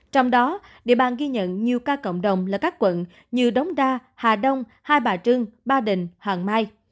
trong đó địa bàn ghi nhận nhiều ca cộng đồng là các quận như đống đa hà đông hai bà trưng ba đình hoàng mai